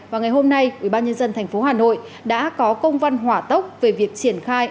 và ngày hôm nay ubnd tp hà nội đã có công văn hỏa tốc về việc triển khai